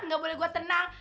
nggak boleh gua tenang